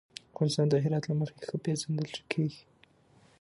افغانستان د هرات له مخې ښه پېژندل کېږي.